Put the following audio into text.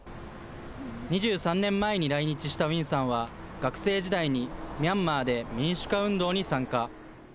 ２３年前に来日したウィンさんは、学生時代にミャンマーで民主化運動に参加。